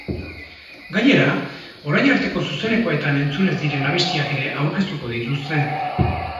Gainera, orain arteko zuzenekoetan entzun ez diren abestiak ere aurkeztuko dituzte.